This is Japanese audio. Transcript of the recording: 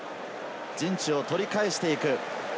陣地を取り返していく。